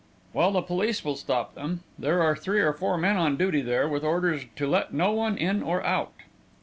"Well, the police will stop them. There are three or four men on duty there, with orders to let no one in or out."